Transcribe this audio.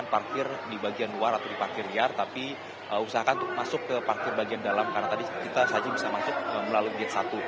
parkir di bagian luar atau di parkir liar tapi usahakan untuk masuk ke parkir bagian dalam karena tadi kita saja bisa masuk melalui gate satu